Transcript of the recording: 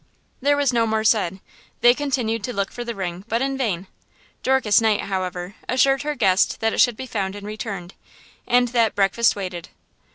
There was no more said. They continued to look for the ring, but in vain. Dorcas Knight, however, assured her guest that it should be found and returned, and that–breakfast waited.